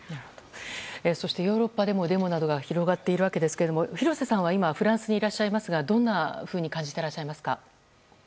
そしてヨーロッパでもデモなどが広がっていますが廣瀬さんは今、フランスにいらっしゃいますがどんなふうに感じてらっしゃいますか？